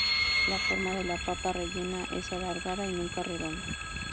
La forma de la papa rellena es alargada y nunca redonda.